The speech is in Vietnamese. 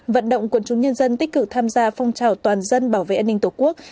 vận động quân chúng nhân dân tích cực tham gia phong trào toàn dân bảo vệ an ninh tổ quốc